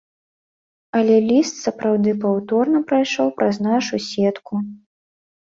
Але ліст сапраўды паўторна прайшоў праз нашу сетку.